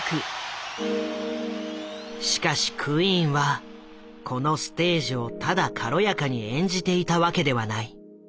しかしクイーンはこのステージをただ軽やかに演じていたわけではない。